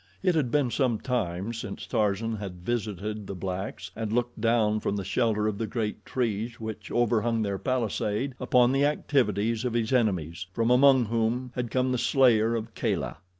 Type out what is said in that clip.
It had been some time since Tarzan had visited the blacks and looked down from the shelter of the great trees which overhung their palisade upon the activities of his enemies, from among whom had come the slayer of Kala.